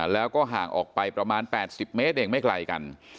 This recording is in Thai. แล้วก็ห่างออกไปประมาณ๘๐เมตรเองไม่ไกลกัน